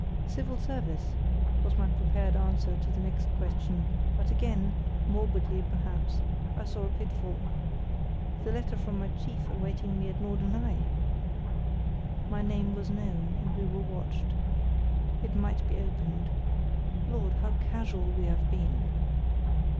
"Civil Service," was my prepared answer to the next question, but again (morbidly, perhaps) I saw a pitfall. That letter from my chief awaiting me at Norderney? My name was known, and we were watched. It might be opened. Lord, how casual we have been!